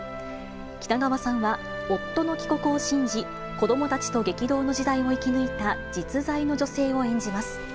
北川さんは、夫の帰国を信じ、子どもたちと激動の時代を生き抜いた実在の女性を演じます。